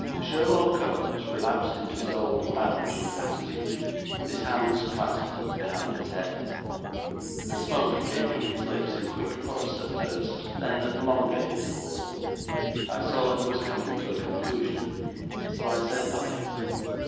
Sherlaw Kombs relapsed into his old lounging attitude, with his hands clasped behind his head. The smoke came from his lips in quick puffs at first, then at longer intervals. I saw he was coming to a conclusion, so I said nothing.